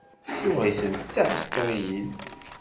Tuɣ-itent d tiεsekriyin.